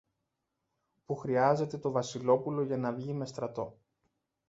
που χρειάζεται το Βασιλόπουλο για να βγει με στρατό.